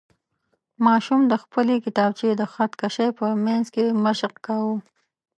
ماشوم د خپلې کتابچې د خط کشۍ په منځ کې مشق کاوه.